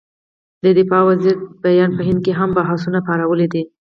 د دفاع وزیر دې بیان په هند کې هم بحثونه پارولي دي.